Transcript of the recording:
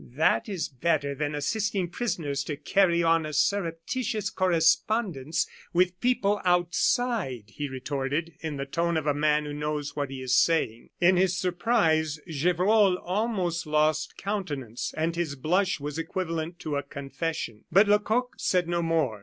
"That is better than assisting prisoners to carry on a surreptitious correspondence with people outside," he retorted, in the tone of a man who knows what he is saying. In his surprise, Gevrol almost lost countenance, and his blush was equivalent to a confession. But Lecoq said no more.